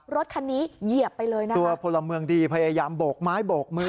รถคันนี้เหยียบไปเลยนะคะตัวพลเมืองดีพยายามโบกไม้โบกมือ